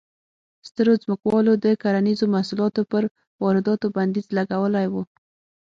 سترو ځمکوالو د کرنیزو محصولاتو پر وارداتو بندیز لګولی و.